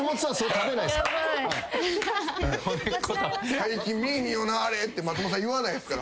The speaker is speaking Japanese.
最近見んよなあれって松本さん言わないですから。